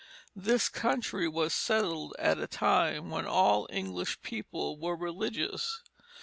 This country was settled at a time when all English people were religious.